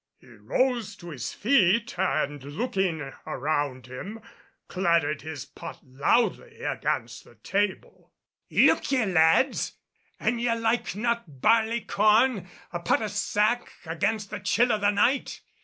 He rose to his feet and looking around him clattered his pot loudly against the table. "Look ye, lads, an ye like not barleycorn, a pot of sack against the chill of the night!